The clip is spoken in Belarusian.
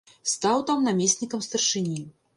Стаў там намеснікам старшыні.